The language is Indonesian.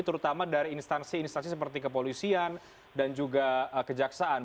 terutama dari instansi instansi seperti kepolisian dan juga kejaksaan